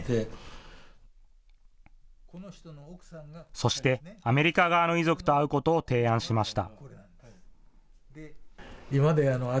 そしてアメリカ側の遺族と会うことを提案しました。